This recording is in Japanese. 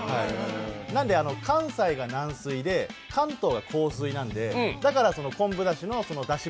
なので、関西が軟水で関東が硬水なんでだから昆布だしのだし